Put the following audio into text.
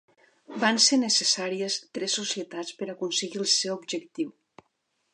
Van ser necessàries tres societats per aconseguir el seu objectiu.